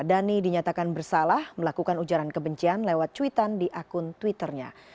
dhani dinyatakan bersalah melakukan ujaran kebencian lewat cuitan di akun twitternya